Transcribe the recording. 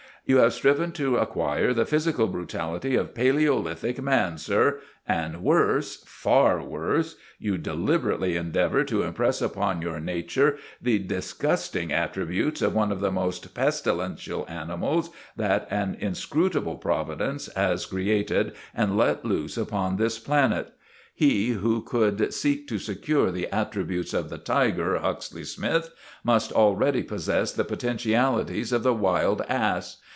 You have striven to acquire the physical brutality of palæolithic man, sir, and—worse, far worse—you deliberately endeavour to impress upon your nature the disgusting attributes of one of the most pestilential animals that an inscrutable Providence has created and let loose upon this planet. He who could seek to secure the attributes of the tiger, Huxley Smythe, must already possess the potentialities of the wild ass!